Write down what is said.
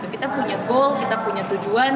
kita punya goal kita punya tujuan